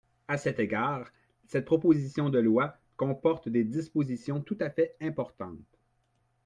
À cet égard, cette proposition de loi comporte des dispositions tout à fait importantes.